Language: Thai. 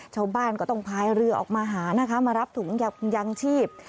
ชาวบ้านก็ต้องพายเรือออกมาหานะคะมารับถุงยางชีพ